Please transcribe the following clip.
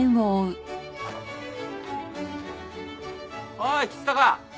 おーい橘高！